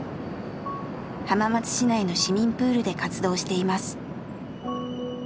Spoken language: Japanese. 浜松市内の市民プールで活動しています。